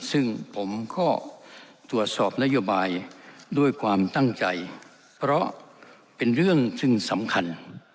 ซึ่งผมก็ตรวจสอบนโยบายด้วยความตั้งใจเพราะเป็นเรื่องซึ่งสำคัญ